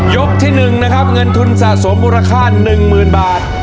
ที่๑นะครับเงินทุนสะสมมูลค่า๑๐๐๐บาท